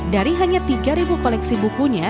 dari hanya tiga koleksi bukunya